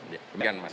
ya demikian mas